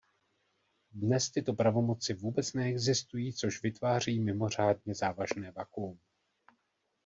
Dnes tyto pravomoci vůbec neexistují, což vytváří mimořádně závažné vakuum.